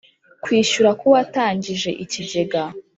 Kwishyura K Uwatangije Ikigega